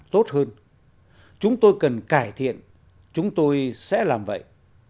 tốt hơn chúng tôi cần cải thiện chúng tôi sẽ làm vậy